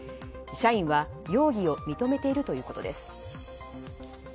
社員は、容疑を認めているということです。